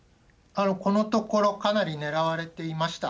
このところ、かなり狙われていました。